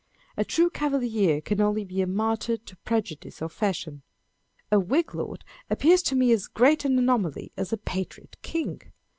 A true cavalier can only be a martyr to prejudice or fashion. A Whig lord appears to me as great an anomaly as a patriot king.